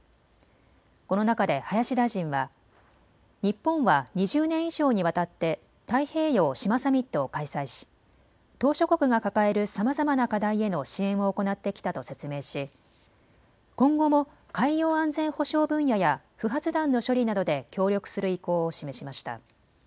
この中で林大臣は日本は２０年以上にわたって太平洋・島サミットを開催し島しょ国が抱えるさまざまな課題への支援を行ってきたと説明し今後も海洋安全保障分野や不発弾の処理などで協力する意向を示しました。